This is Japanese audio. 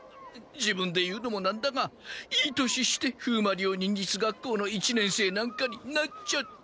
自分で言うのもなんだがいい年して風魔流忍術学校の一年生なんかになっちゃって。